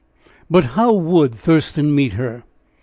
But how would Thurston meet her?